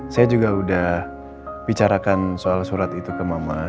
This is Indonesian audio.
saya juga udah bicarakan soal surat itu ke mama